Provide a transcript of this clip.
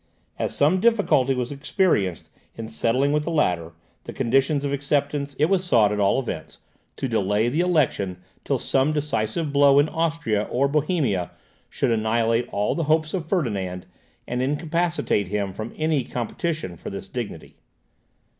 As some difficulty was experienced in settling with the latter the conditions of acceptance, it was sought, at all events, to delay the election till some decisive blow in Austria or Bohemia should annihilate all the hopes of Ferdinand, and incapacitate him from any competition for this dignity.